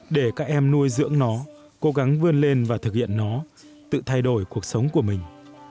để các em nuôi dưỡng nó cố gắng vươn lên và thực hiện nó tự thay đổi cuộc sống của mình